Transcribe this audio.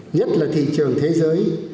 nhất là thị trường thế giới